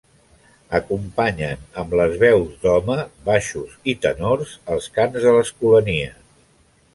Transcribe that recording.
Acompanyen amb les veus d'home, baixos i tenors, els cants de l’Escolania.